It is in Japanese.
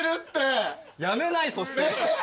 やめないそして。